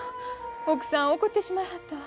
奥さん怒ってしまいはったわ。